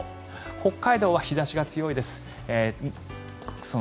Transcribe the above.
北海道は日差しが強いです。